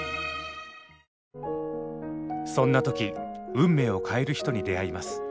そんな時運命を変える人に出会います。